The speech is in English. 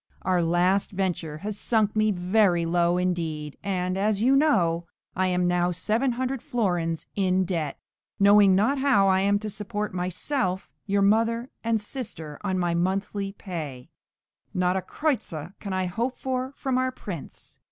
Our last venture has sunk me very low indeed, and, as you know, I am now seven hundred florins in debt, knowing not how I am to support myself, your mother and sister, on my monthly pay; not a kreuzer can I hope for from our prince.